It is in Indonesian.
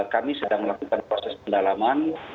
kami sedang melakukan proses pendalaman